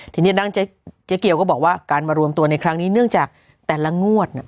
ทีนี้ด้านเจ๊เกียวก็บอกว่าการมารวมตัวในครั้งนี้เนื่องจากแต่ละงวดน่ะ